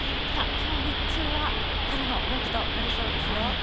ただ、きょう日中は春の陽気となりそうですよ。